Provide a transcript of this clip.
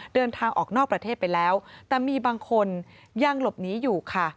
เดินทางออกนอกประเทศไปแล้วแต่มีบางคนยังหลบหนีอยู่ค่ะ